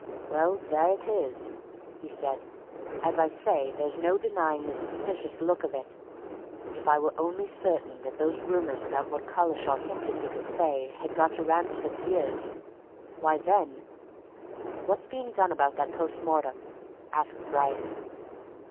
"Well, there it is!" he said. "As I say, there's no denying the suspicious look of it. If I were only certain that those rumours about what Collishaw hinted he could say had got to Ransford's ears! why, then " "What's being done about that post mortem?" asked Bryce.